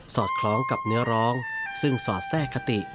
อดคล้องกับเนื้อร้องซึ่งสอดแทรกคติ